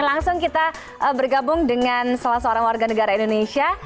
langsung kita bergabung dengan salah seorang warga negara indonesia